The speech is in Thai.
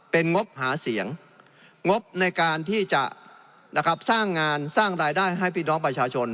เป็นงบหาเสียงงบในการที่จะสร้างงานสร้างรายได้ให้พี่น้องประชาชน